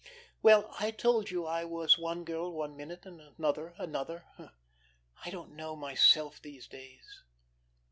Well, I told you I was one girl one minute and another another. I don't know myself these days.